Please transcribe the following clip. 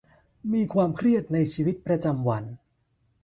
มีความเครียดในชีวิตประจำวัน